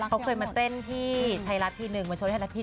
เขาเคยมาเต้นที่ไทยรัฐที่๑มะชมที่๑